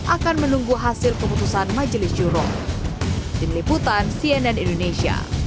akan menunggu hasil keputusan majelis juro